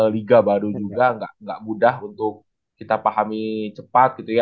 liga baru juga nggak mudah untuk kita pahami cepat gitu ya